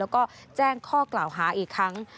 แล้วก็แจ้งข้อกล่าวหาอีกครั้ง